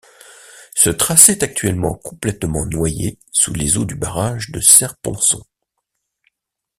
Ce tracé est actuellement complètement noyé sous les eaux du barrage de Serre-Ponçon.